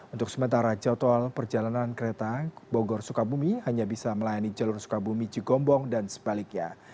untuk sementara jauh tol perjalanan kereta bogor sukabumi hanya bisa melayani jalur sukabumi cigombong dan sebaliknya